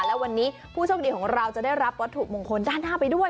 และวันนี้ผู้โชคดีของเราจะได้รับวัตถุมงคลด้านหน้าไปด้วย